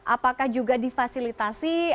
apakah juga difasilitasi